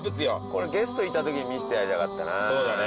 これゲストいたときに見せてやりたかったなそうだね